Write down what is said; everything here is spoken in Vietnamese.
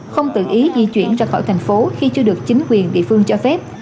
không tự ý di chuyển ra khỏi thành phố khi chưa được chính quyền địa phương cho phép